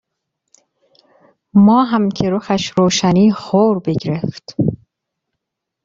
ماهم که رخش روشنی خور بگرفت